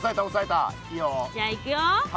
じゃあいくよ。